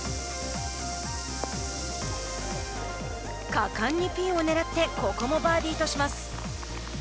果敢にピンを狙ってここもバーディーとします。